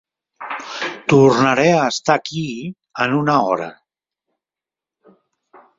Tornaré a estar aquí en una hora.